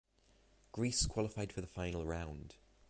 Greece qualified for the final round.